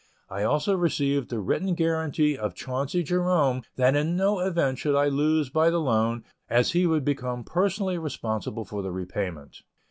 I also received the written guaranty of Chauncey Jerome that in no event should I lose by the loan, as he would become personally responsible for the repayment.